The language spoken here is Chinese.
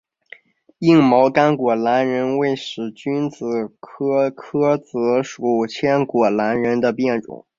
硬毛千果榄仁为使君子科诃子属千果榄仁的变种。